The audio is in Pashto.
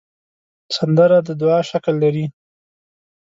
سندره د دعا شکل لري